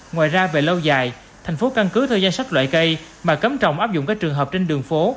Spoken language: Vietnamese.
ngoài ra về lâu dài thành phố căn cứ theo danh sách loại cây mà cấm trồng áp dụng các trường hợp trên đường phố